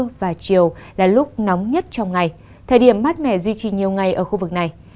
trưa và chiều là lúc nóng nhất trong ngày thời điểm mát mẻ duy trì nhiều ngày ở khu vực này